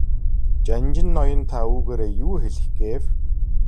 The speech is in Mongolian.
Жанжин ноён та үүгээрээ юу хэлэх гээв?